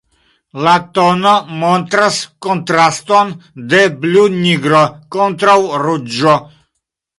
La tono montras kontraston de blu-nigro kontraŭ ruĝo.